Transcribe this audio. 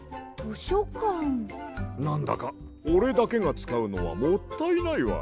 なんだかおれだけがつかうのはもったいないわ。